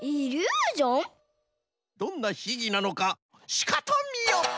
どんなひぎなのかしかとみよ！